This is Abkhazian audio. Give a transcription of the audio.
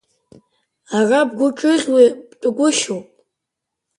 Ара бгәы ҿыӷьуа бтәагәышьоуп.